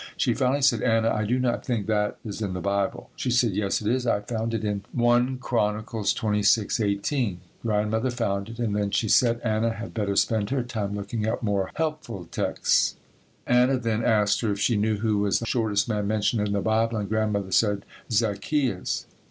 She finally said, "Anna, I do not think that is in the Bible." She said, "Yes, it is; I found it in 1 Chron. 26: 18." Grandmother found it and then she said Anna had better spend her time looking up more helpful texts. Anna then asked her if she knew who was the shortest man mentioned in the Bible and Grandmother said "Zaccheus."